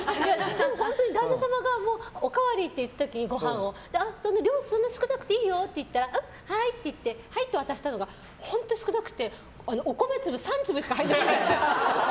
旦那様がご飯おかわりって言った時に量、そんな少なくていいよって言ってはーい！って言って渡したのが本当に少なくてお米粒３粒しか入ってない。